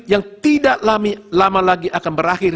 yang tidak lama lagi akan berakhir